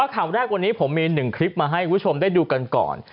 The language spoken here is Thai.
คำแรกกวันนี้ผมมีหนึ่งคลิปมาให้คุณชมได้ดูกันก่อน